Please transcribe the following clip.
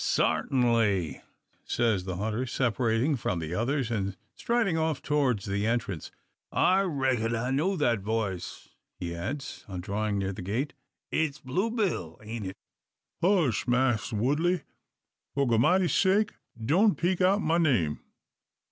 "Sartinly," says the hunter, separating from the others, and striding off towards the entrance. "I reck'n I know that voice," he adds, on drawing near the gate. "It's Blue Bill, ain't it?" "Hush, Mass' Woodley! For Goramity's sake doan peak out ma name.